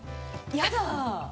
やだ。